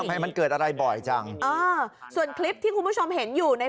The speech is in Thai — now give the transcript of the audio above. ทำไมมันเกิดอะไรบ่อยจังเออส่วนคลิปที่คุณผู้ชมเห็นอยู่ใน